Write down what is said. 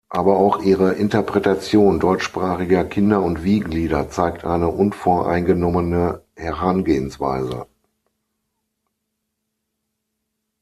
Aber auch ihre Interpretation deutschsprachiger Kinder- und Wiegenlieder zeigt eine unvoreingenommene Herangehensweise.